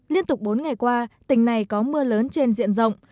liên tục bốn ngày qua tỉnh này có mưa lớn trên diện rộng